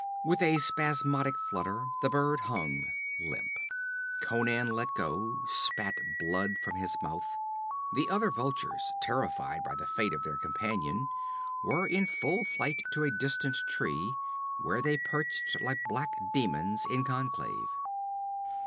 With a spasmodic flutter the bird hung limp. Conan let go, spat blood from his mouth. The other vultures, terrified by the fate of their companion, were in full flight to a distant tree, where they perched like black demons in conclave.